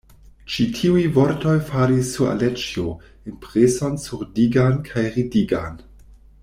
Ĉi tiuj vortoj faris sur Aleĉjo impreson surdigan kaj rigidigan.